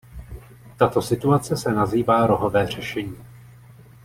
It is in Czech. Tato situace se nazývá rohové řešení.